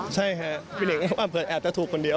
ใช่ค่ะพี่นิ่งเผื่อแอบต่อถูกคนเดียว